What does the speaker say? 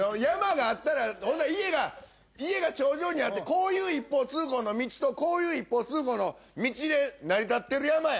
山があったら家が頂上にあってこういう一方通行の道とこういう一方通行の道で成り立ってる山や。